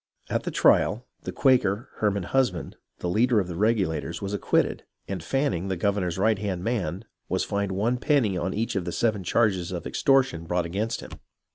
At the trial, the Quaker, Herman Husband, the leader of the Regulators, was acquitted, and Fanning, the governor's right hand man, was fined one penny on each of the seven charges of extortion brought against him.